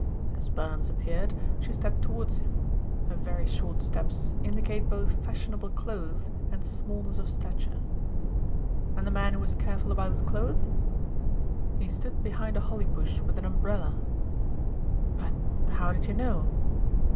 As Burns appeared, she stepped towards him. Her very short steps indicate both fashionable clothes and smallness of stature." "And the man who was careful about his clothes?" "He stood behind a holly bush with an umbrella " "But how did you know?"